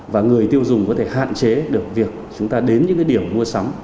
và người tiêu dùng có thể hạn chế được việc chúng ta đến những điểm mua sắm